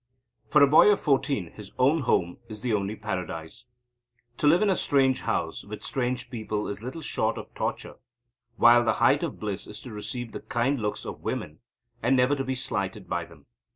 For a boy of fourteen his own home is the only Paradise. To live in a strange house with strange people is little short of torture, while the height of bliss is to receive the kind looks of women, and never to be slighted by them.